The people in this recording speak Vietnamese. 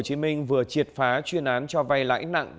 thành phố hồ chí minh vừa triệt phá chuyên án cho vay lãi nặng